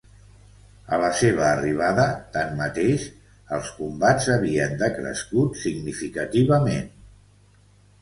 A la seva arribada, tanmateix, els combats havien decrescut significativament.